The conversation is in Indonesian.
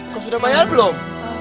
kau sudah bayar belum